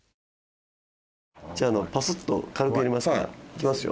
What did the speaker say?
じゃあ、ぱすっと軽くいきますから、いきますよ。